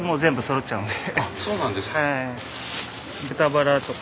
あっそうなんですか。